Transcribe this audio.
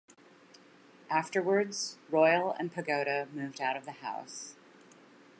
Afterwards, Royal and Pagoda move out of the house.